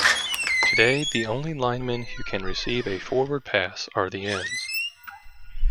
Today, the only linemen who can receive a forward pass are the ends.